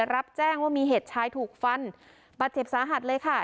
รับแจ้งว่ามีเหตุชายถูกฟันบาดเจ็บสาหัสเลยค่ะ